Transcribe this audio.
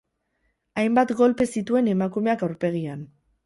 Hainbat golpe zituen emakumeak aurpegian.